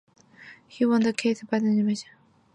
He won the case but vehemently rejected the reward.